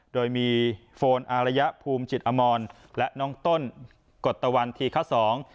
โดยมีโฟนอารยภูมิจิตอมรและน้องต้นกฎตะวันธีคสอง